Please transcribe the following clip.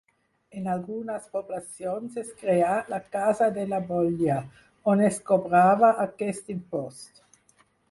En algunes poblacions es creà la Casa de la Bolla, on es cobrava aquest impost.